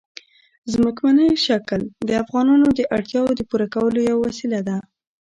ځمکنی شکل د افغانانو د اړتیاوو د پوره کولو یوه وسیله ده.